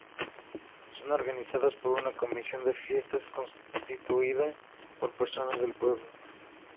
Son organizadas por una comisión de fiestas constituida por personas del pueblo.